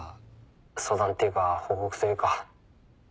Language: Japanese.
☎相談っていうか報告というか。